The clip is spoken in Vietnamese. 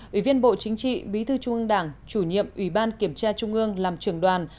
ủy viên bộ chính trị bí thư trung ương đảng chủ nhiệm ủy ban kiểm tra trung ương làm trưởng đoàn